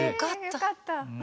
よかった。